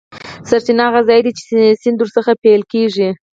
سرچینه هغه ځاي دی چې سیند ور څخه پیل کیږي.